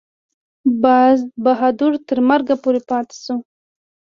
باز بهادر تر مرګه پورې پاته شو.